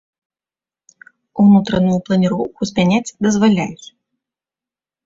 Унутраную планіроўку змяняць дазваляюць.